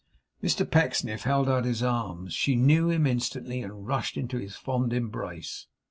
Mr Pecksniff held out his arms. She knew him instantly, and rushed into his fond embrace.